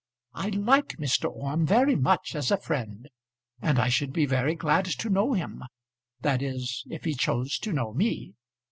I like Mr. Orme very much as a friend, and I should be very glad to know him, that is if he chose to know me."